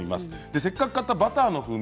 せっかく買ったバターの風味